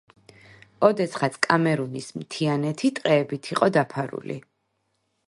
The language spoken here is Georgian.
ოდესღაც კამერუნის მთიანეთი ტყეებით იყო დაფარული.